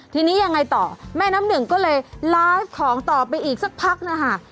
ทีนี้ยังไงต่อแม่น้ำหนึ่งก็เลยไลฟ์ของต่อไปอีกสักพักนะคะ